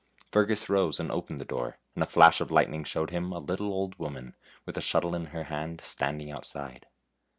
Fergus rose and opened the door, and a flash of lightning showed him a little old woman, with a shuttle in her hand, standing outside.